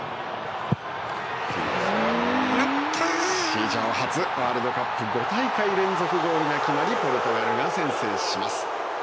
史上初ワールドカップ５大会連続ゴールが決まりポルトガルが先制します。